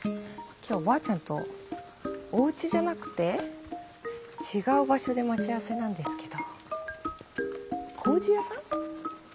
今日おばあちゃんとおうちじゃなくて違う場所で待ち合わせなんですけど。